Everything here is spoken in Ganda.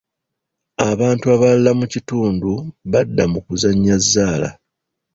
Abantu abalala mu kitundu badda mu kuzannya zzaala.